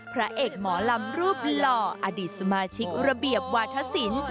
พระเอกหมอลำรูปหล่ออดีตสมาชิกระเบียบวาธศิลป์